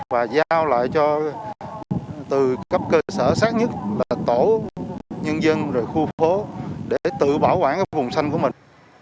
và giao lại cho từ cấp cơ sở xác nhất là tổ nhân dân rồi khu phố để tự bảo quản cái vùng xanh của mình